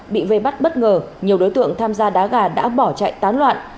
bị vây bắt bất ngờ nhiều đối tượng tham gia đá gà đã bỏ chạy tán loạn